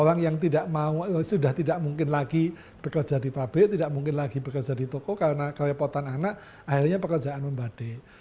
orang yang tidak mau sudah tidak mungkin lagi bekerja di pabrik tidak mungkin lagi bekerja di toko karena kerepotan anak akhirnya pekerjaan membatik